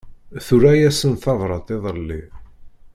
Tura-yasen tabrat iḍelli.